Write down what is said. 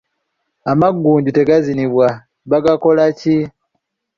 Amagunju tegazinibwa, bagakola ki?